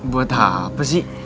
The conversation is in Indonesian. buat apa sih